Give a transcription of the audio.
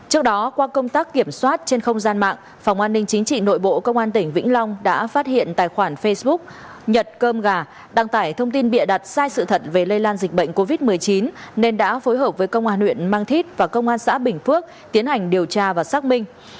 trước đó qua công tác kiểm soát trên không gian mạng phòng an ninh chính trị nội bộ công an tỉnh vĩnh long đã phát hiện tài khoản facebook nhật cơm gà đăng tải thông tin bịa đặt sai sự thật về lây lan dịch bệnh covid một mươi chín nên đã phối hợp với công an huyện mang thít và công an xã bình phước tiến hành điều tra và xác minh